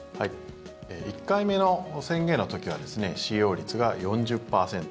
１回目の宣言の時は使用率が４０％。